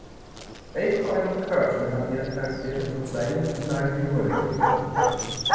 Aykroyd und Curtin haben ihre Charaktere zu zweidimensionalen Figuren entwickelt.